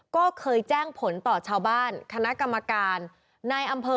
ก็เคยแจ้งผลต่อชาวบ้านคณะกรรมการในอำเภอ